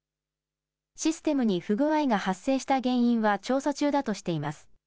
システムに不具合が発生した原因は調査中だとしています。